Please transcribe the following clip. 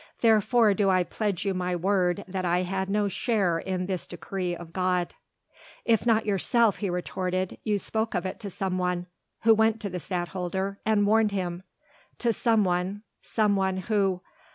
Therefore do I pledge you my word that I had no share in this decree of God." "If not yourself," he retorted, "you spoke of it to some one ... who went to the Stadtholder ... and warned him! to some one ... some one who....